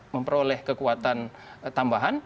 memperoleh kekuatan tambahan